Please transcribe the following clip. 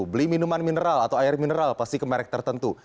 beli minuman mineral atau air mineral pasti ke merek tertentu